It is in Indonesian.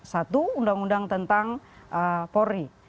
satu undang undang tentang polri